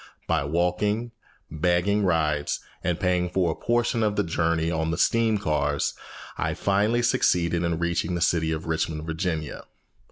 By walking, begging rides, and paying for a portion of the journey on the steam cars, I finally succeeded in reaching the city of Richmond; Virginia.